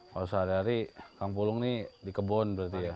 kalau sehari hari kang pulung ini di kebun berarti ya